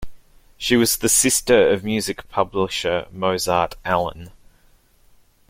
She was the sister of music publisher Mozart Allen.